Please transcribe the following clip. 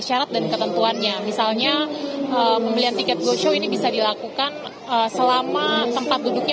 syarat dan ketentuannya misalnya pembelian tiket go show ini bisa dilakukan selama tempat duduknya